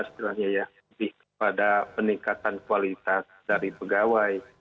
sebenarnya ya lebih kepada peningkatan kualitas dari pegawai